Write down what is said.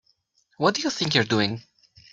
What do you think you're doing?